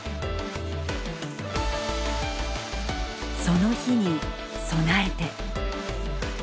「その日」に備えて。